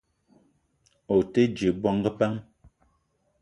O te dje bongo bang ?